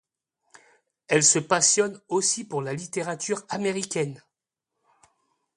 Elle se passionne aussi pour la littérature américaine.